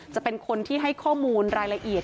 จะเป็นคนที่ให้ข้อมูลรายละเอียด